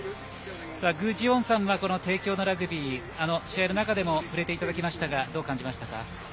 具智元さんは帝京のラグビー試合の中でも触れていただきましたがどう感じましたか。